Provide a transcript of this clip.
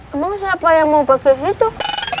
emang siapa yang mau bagi sih tuh